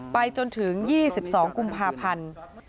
ไปจนถึง๒๒กุมภาพันธ์